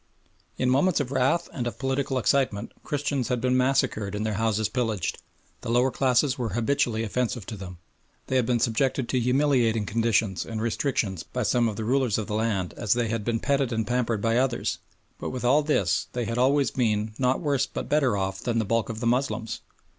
In moments of wrath and of political excitement Christians had been massacred and their houses pillaged, the lower classes were habitually offensive to them, they had been subjected to humiliating conditions and restrictions by some of the rulers of the land as they had been petted and pampered by others, but with all this they had always been not worse but better off than the bulk of the Moslems.